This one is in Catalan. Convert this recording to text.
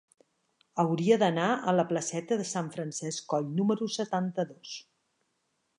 Hauria d'anar a la placeta de Sant Francesc Coll número setanta-dos.